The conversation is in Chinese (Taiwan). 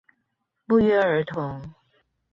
不約而同